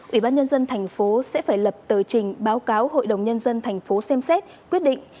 ủy ban nhân dân thành phố sẽ phải lập tờ trình báo cáo hội đồng nhân dân thành phố xem xét quyết định